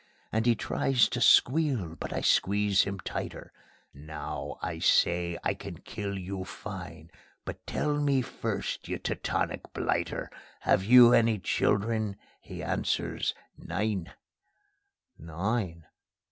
And he tries to squeal, but I squeeze him tighter: "Now," I say, "I can kill you fine; But tell me first, you Teutonic blighter! Have you any children?" He answers: "Nein." _NINE!